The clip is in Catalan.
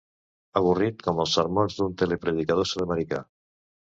Avorrit com els sermons d'un telepredicador sudamericà.